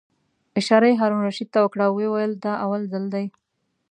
اشاره یې هارون الرشید ته وکړه او ویې ویل: دا اول ځل دی.